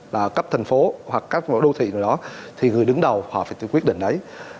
là cấp thành phố hoặc cấp đô thị nào đó thì người đứng đầu họ phải quyết định đấy